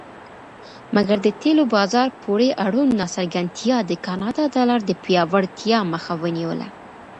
مګر د تیلو بازار پورې اړوند ناڅرګندتیا د کاناډا ډالر د پیاوړتیا مخه ونیوله.